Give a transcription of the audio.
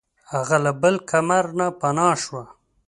هغه له بل کمر نه پناه شوه.